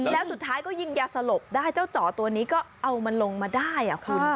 แล้วสุดท้ายก็ยิงยาสลบได้เจ้าจ่อตัวนี้ก็เอามันลงมาได้คุณ